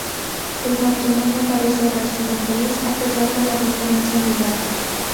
El matrimonio parece haber sido feliz a pesar de la diferencia de edad.